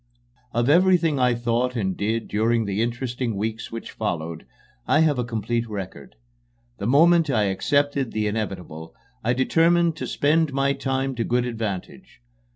Of everything I thought and did during the interesting weeks which followed, I have a complete record. The moment I accepted the inevitable, I determined to spend my time to good advantage.